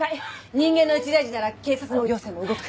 人間の一大事なら警察も行政も動く。